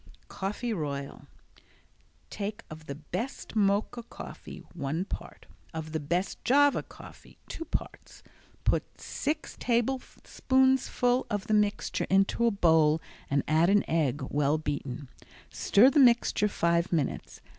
Coffee Royal Take of the best Mocha coffee one part, of the best Java coffee two parts. Put six tablespoonfuls of the mixture into a bowl and add an egg, well beaten. Stir the mixture five minutes.